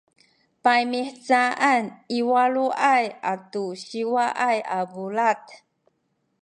paymihcaan i waluay atu siwaay a bulad